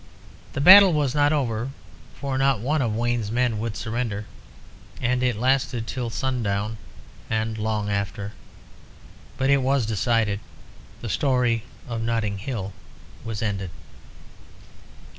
The battle was not over, for not one of Wayne's men would surrender, and it lasted till sundown, and long after. But it was decided; the story of Notting Hill was ended.